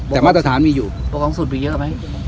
แต่แม้ตัฐานมีอยู่เพราะของสูตรมีเยอะกว่าไหม